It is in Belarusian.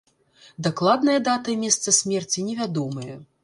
Дакладная дата і месца смерці невядомыя.